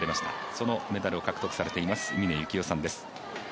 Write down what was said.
そのメダルを獲得されています峰幸代さんです。